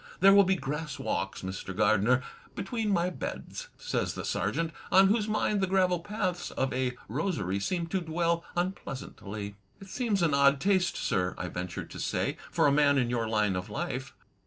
There will be grass walks, Mr. Gardener, between my beds," says the Sergeant, on whose mind the gravel paths of a rosery seemed to dwell tmpleas antly. " It seems an odd taste, sir," I ventured to say, "for a man in your line of life."